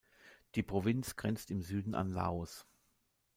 Die Provinz grenzt im Süden an Laos.